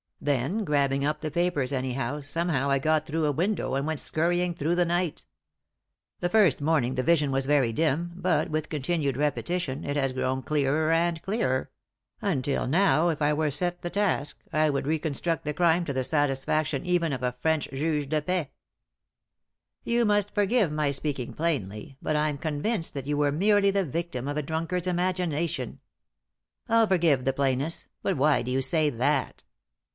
Then, grabbing up the papers anyhow, somehow I got through a window, and went scurrying through the night. That first 3i 9 iii^d by Google THE INTERRUPTED KISS morning the vision was very dim, but, with continued repetition, it has grown clearer and clearer; until now, if I were set the task, I could reconstruct the crime to the satisfaction even of a French jug* de paix." " You must forgive my speaking plainly, but I'm convinced that you were merely the victim of a drunkard's imagination." "I'll forgive the plainness; but why do you say that?"